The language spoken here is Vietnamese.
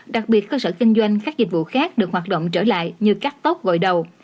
đặc biệt cơ sở kinh doanh các dịch vụ khác được hoạt động trở lại như cắt tóc gọi đầu